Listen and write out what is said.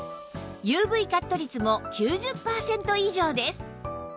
ＵＶ カット率も９０パーセント以上です